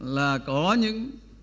là có những